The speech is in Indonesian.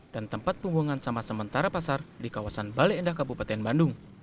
dan tempat pembuangan sampah sementara pasar di kawasan bale endah kabupaten bandung